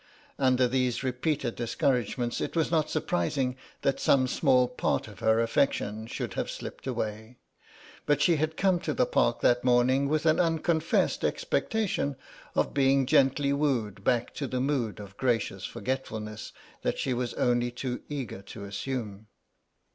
Under these repeated discouragements it was not surprising that some small part of her affection should have slipped away, but she had come to the Park that morning with an unconfessed expectation of being gently wooed back to the mood of gracious forgetfulness that she was only too eager to assume.